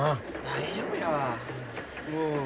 大丈夫よ。